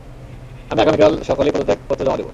আমি আগামীকাল সকালেই পদত্যাগ পত্র জমা দেব।